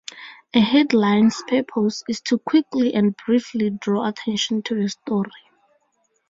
A headline's purpose is to quickly and briefly draw attention to the story.